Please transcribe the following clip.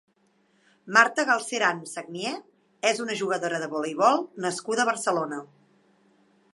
Marta Galceran Sagnier és una jugadora de voleibol nascuda a Barcelona.